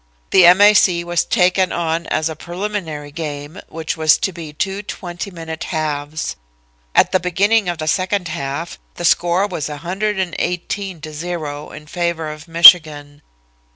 The M. A. C. was taken on as a preliminary game, which was to be two twenty minute halves. "At the beginning of the second half the score was 118 to 0, in favor of Michigan.